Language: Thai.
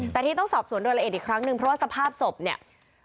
แต่ที่ต้องสอบสวนโดยละเอียดอีกครั้งหนึ่งเพราะว่าสภาพศพเนี่ย